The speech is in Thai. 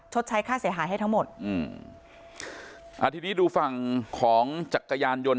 ใช้ค่าเสียหายให้ทั้งหมดอืมอ่าทีนี้ดูฝั่งของจักรยานยนต์